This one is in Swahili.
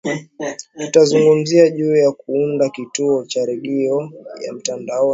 tutazungumzia juu ya kuunda kituo cha redio ya mtandaoni